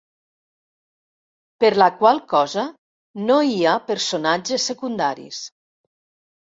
Per la qual cosa no i a personatges secundaris.